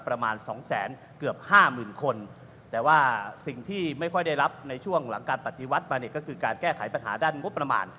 ประมาณสองแสนเกือบห้าหมื่นคนแต่ว่าสิ่งที่ไม่ค่อยได้รับในช่วงหลังการปฏิวัติมาเนี่ยก็คือการแก้ไขปัญหาด้านงบประมาณ